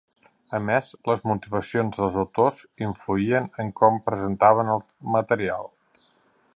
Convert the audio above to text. A més, les motivacions dels autors influïen en com presentaven el material.